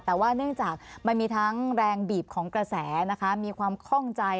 แต่ว่าเนื่องจากมันมีทั้งแรงบีบของกระแสนะคะมีความคล่องใจ